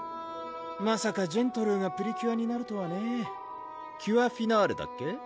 まさかジェントルーがプリキュアになるとはねキュアフィナーレだっけ？